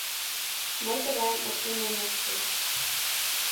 — Мый тыгайым ыштен ом мошто.